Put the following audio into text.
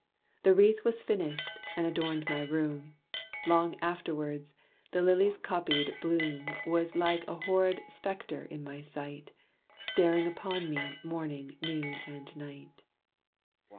The wreath was finished, and adorned my room; Long afterward, the lilies' copied bloom Was like a horrid specter in my sight, Staring upon me morning, noon, and night.